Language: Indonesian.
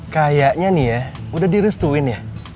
kayaknya nih ya udah direstuin ya